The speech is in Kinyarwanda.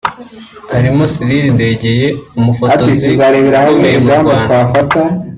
harimo Cyrill Ndegeya umufotozi ukomeye mu Rwanda